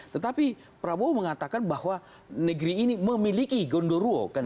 tetapi prabowo mengatakan bahwa negeri ini memiliki gondoruo